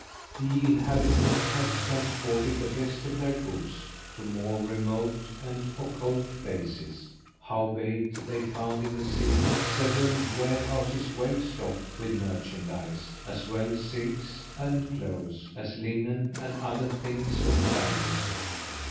The inhabitants had transported the best of their goods to more remote and occult places; howbeit, they found in the city several warehouses well stocked with merchandise, as well silks and cloths, as linen and other things of value.